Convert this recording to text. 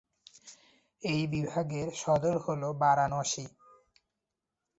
এই বিভাগের সদর শহর হল বারাণসী।